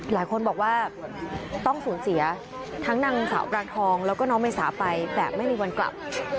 หลายคนบอกว่าต้องสูญเสียทั้งนางสาวปรางทองแล้วก็น้องเมษาไปแบบไม่มีวันกลับ